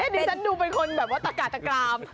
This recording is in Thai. ดิฉันดูเป็นคนแบบว่าตะกาตะกราม